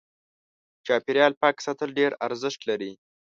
چاپېريال پاک ساتل ډېر ارزښت لري.